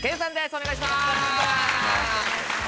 お願いします。